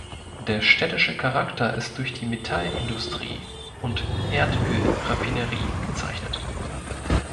Der städtische Charakter ist durch die Metallindustrie und Erdölraffinerie gezeichnet.